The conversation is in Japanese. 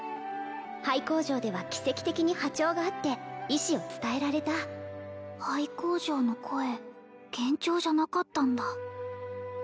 廃工場では奇跡的に波長が合って意志を伝えられた廃工場の声幻聴じゃなかったんだ